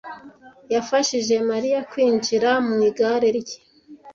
yafashije Mariya kwinjira mu igare rye.